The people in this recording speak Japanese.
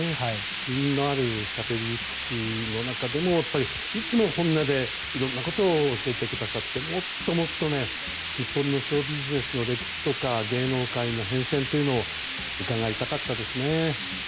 気品のある喋り口の中でもいつも本音でいろんなことを教えてくださってもっともっと日本のショービジネスの歴史とか芸能界の変遷というのを伺いたかったですね。